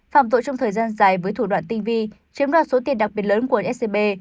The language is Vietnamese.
phạm tội trong thời gian dài với thủ đoạn tinh vi chiếm đoạt số tiền đặc biệt lớn của scb